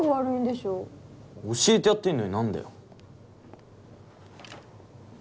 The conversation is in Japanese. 教えてやってんのに何だよ。